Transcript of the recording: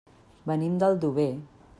Venim d'Aldover.